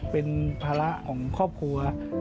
เป็นภาระของครอบครัว